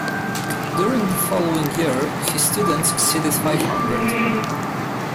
During the following year his students exceeded five hundred.